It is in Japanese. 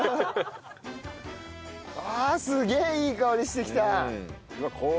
あすげえいい香りしてきた。